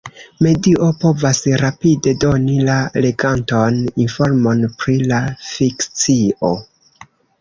Medio povas rapide doni la leganton informon pri la fikcio.